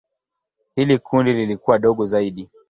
Hili kundi lilikuwa dogo zaidi.